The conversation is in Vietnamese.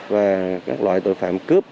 và các loại tội phạm cướp